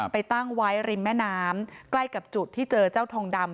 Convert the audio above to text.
ตั้งไว้ริมแม่น้ำใกล้กับจุดที่เจอเจ้าทองดำ